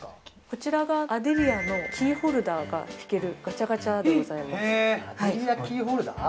こちらがアデリアのキーホルダーが引けるガチャガチャでございますアデリアキーホルダー？